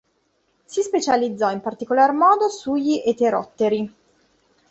Si specializzò, in particolar modo, sugli Eterotteri.